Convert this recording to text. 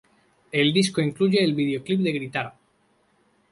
El disco incluye el videoclip de Gritar.